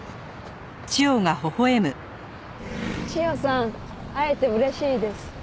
千代さん会えて嬉しいです。